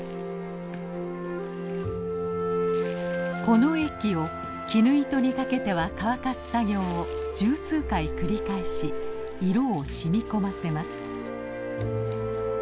この液を絹糸にかけては乾かす作業を十数回繰り返し色を染み込ませます。